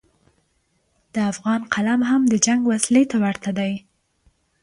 د افغان قلم هم د جنګ وسلې ته ورته دی.